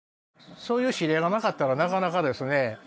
そういう指令がなかったらなかなかですね